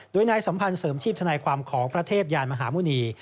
โดยนายสัมพันธ์เสริมชีพธนายความของพระเทพยานมหาหมุณี